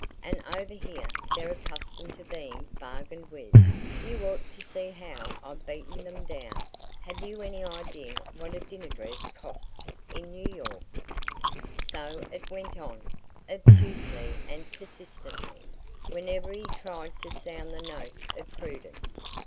And over here they're accustomed to being bargained with you ought to see how I've beaten them down! Have you any idea what a dinner dress costs in New York ?" So it went on, obtusely and persistently, whenever he tried to sound the note of prudence.